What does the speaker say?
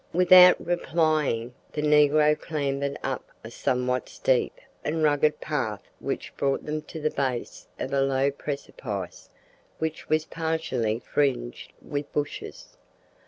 Without replying, the negro clambered up a somewhat steep and rugged path which brought them to the base of a low precipice which was partially fringed with bushes.